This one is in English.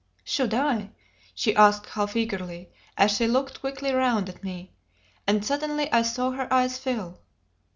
"Should I?" she asked half eagerly, as she looked quickly round at me; and suddenly I saw her eyes fill.